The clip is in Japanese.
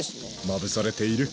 まぶされている。